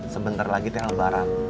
sebentar lagi terlalu barat